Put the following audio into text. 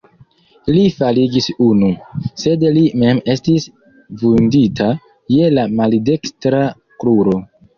Li faligis unu, sed li mem estis vundita je la maldekstra kruro.